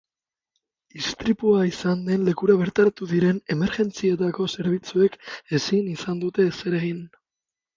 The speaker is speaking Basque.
Istripua izan den lekura bertaratu diren emergentzietako zerbitzuek ezin izan dute ezer egin.